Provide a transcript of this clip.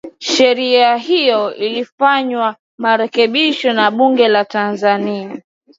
sheria hiyo ilifanyiwa marekebisho na bunge la tanzania